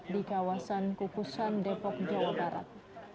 di kawasan kukusan depok jawa barat